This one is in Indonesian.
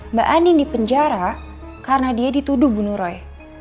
mbak andin dipenjara karena dia dituduh bunuh roy